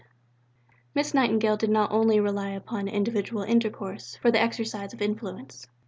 IV Miss Nightingale did not rely only upon individual intercourse for the exercise of influence.